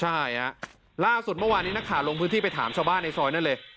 ใช่ฮะล่าสุดเมื่อวานนี้นักข่าวลงพื้นที่ไปถามชาวบ้านในซอยนั่นเลย